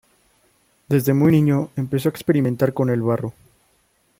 Desde muy niño empezó a experimentar con el barro.